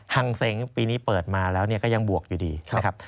ังเซ้งปีนี้เปิดมาแล้วก็ยังบวกอยู่ดีนะครับ